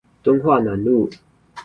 敦化南路